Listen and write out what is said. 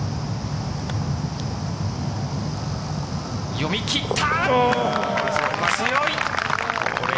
読み切った。